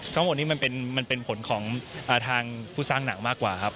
ทั้งหมดนี้มันเป็นผลของทางผู้สร้างหนังมากกว่าครับ